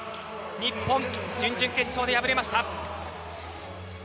日本、準々決勝で敗れました。